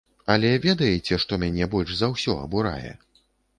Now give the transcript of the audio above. Але ведаеце, што мяне больш за ўсё абурае?